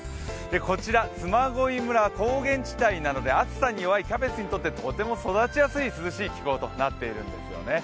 こちら、嬬恋村、高原地帯なので暑さに弱いキャベツにとってとても育ちやすい涼しい気候となっているんですよね。